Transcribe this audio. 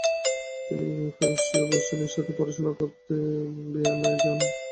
তিনি ফেরুসিও বুসোনির সাথে পড়াশোনা করতে ভিয়েনায় যান।